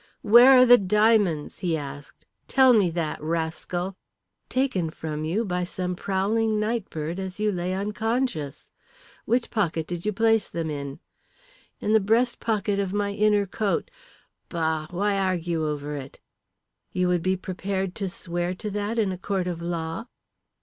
"Where are the diamonds?" he asked. "Tell me that, rascal!" "Taken from you by some prowling nightbird as you lay unconscious. Which pocket did you place them in?" "In the breast pocket of my inner coat. Bah, why argue over it?" "You would be prepared to swear that in a court of law?"